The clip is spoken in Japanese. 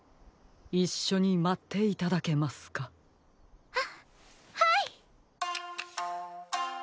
いっしょにまっていただけますか？ははい。